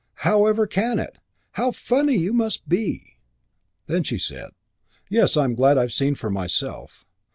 How ever can it? How funny you must be!" Then she said, "Yes, I'm glad I've seen for myself.